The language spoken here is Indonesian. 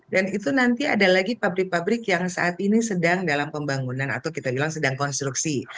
dan itu nanti ada lagi pabrik pabrik yang saat ini sedang dalam pembangunan atau kita bilang sedang konstruksi